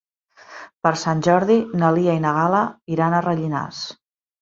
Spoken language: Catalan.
Per Sant Jordi na Lia i na Gal·la iran a Rellinars.